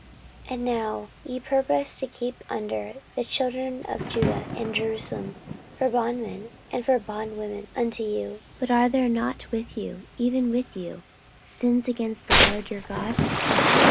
14:028:010 And now ye purpose to keep under the children of Judah and Jerusalem for bondmen and bondwomen unto you: but are there not with you, even with you, sins against the LORD your God?